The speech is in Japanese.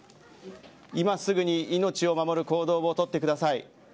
今すぐに命を守る行動を取ってください。